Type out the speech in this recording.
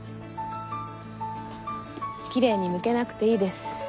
きれいにむけなくていいです。